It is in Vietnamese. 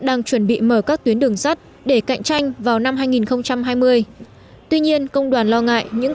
đang chuẩn bị mở các tuyến đường sắt để cạnh tranh vào năm hai nghìn hai mươi tuy nhiên công đoàn lo ngại những